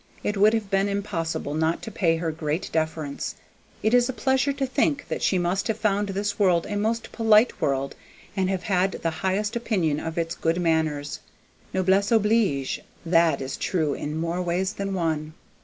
It would have been impossible not to pay her great deference; it is a pleasure to think that she must have found this world a most polite world, and have had the highest opinion of its good manners. Noblesse oblige: that is true in more ways than one!